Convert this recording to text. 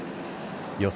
予想